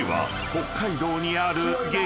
［北海道にある激